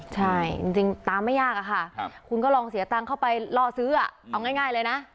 ใช่จริงตามไม่ยากอะค่ะคุณก็ลองเสียตังค์เข้าไปล่อซื้อเอาง่ายเลยนะ